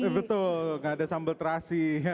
gak ada sambal terasi